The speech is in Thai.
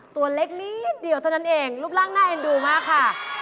ตัวเล็กนิดเดียวเท่านั้นเองรูปร่างน่าเอ็นดูมากค่ะ